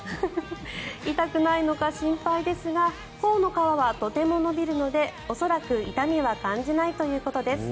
痛くないのか心配ですが頬の皮はとても伸びるので恐らく痛みは感じないということです。